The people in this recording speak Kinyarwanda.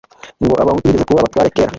"Ngo Abahutu bigeze kuba abatware kera"